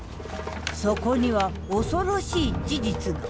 そこには恐ろしい事実が。